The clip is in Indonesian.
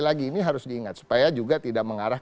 lagi ini harus diingat supaya juga tidak mengarah